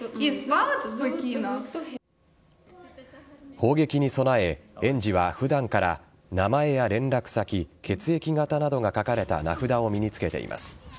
砲撃に備え、園児は普段から名前や連絡先血液型などが書かれた名札を身につけています。